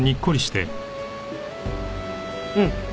うん。